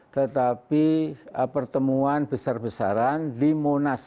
tetapi pertemuan besar besaran di monas